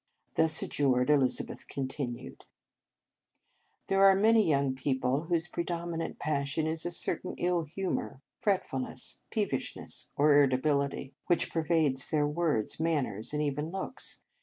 Thus adjured, Elizabeth continued: "There are many young people whose predominant passion is a certain ill humour, fretfulness, peevishness, or irritability, which pervades their words, manners, and even looks.